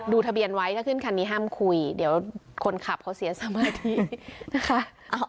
ทะเบียนไว้ถ้าขึ้นคันนี้ห้ามคุยเดี๋ยวคนขับเขาเสียสมาธินะคะ